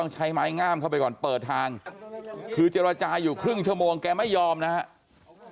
เจราชาอยู่ครึ่งชั่วโมงแกไม่ยอมนะครับ